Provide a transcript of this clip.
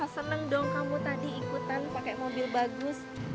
seneng dong kamu tadi ikutan pakai mobil bagus